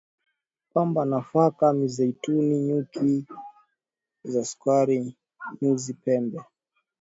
pamba nafaka mizeituni nyuki za sukari nyuzi pembe